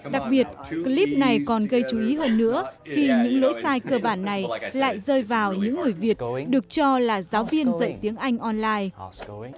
đặc biệt clip này còn gây chú ý hơn nữa khi những lỗi sai cơ bản này lại rơi vào những người việt được cho là giáo viên dạy tiếng anh online